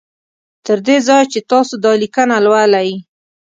تر دې ځایه چې تاسو دا لیکنه لولی